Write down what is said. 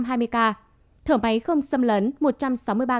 thở máy không xâm lấn một trăm sáu mươi ba